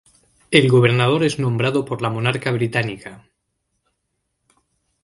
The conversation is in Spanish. El gobernador es nombrado por la monarca británica.